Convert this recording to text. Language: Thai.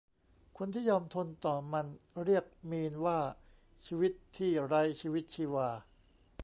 คนที่ยอมทนต่อมัน เรียกมีนว่าชีวิตที่ไร้ชีวิตชีวา